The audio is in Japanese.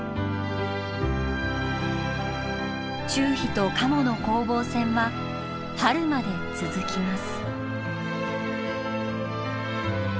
チュウヒとカモの攻防戦は春まで続きます。